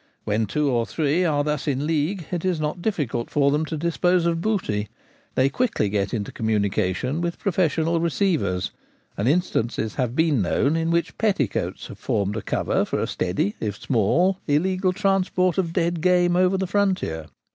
When two or three are thus in league it is not difficult for them to dispose of booty they quickly get into communication with professional receivers ; and instances have been known in which petticoats have formed a cover for a steady if small illegal transport of dead game over the frontier.